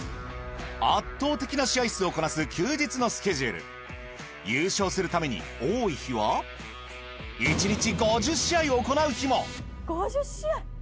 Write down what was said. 圧倒的な試合数をこなす休日のスケジュール優勝するために多い日は行う日も！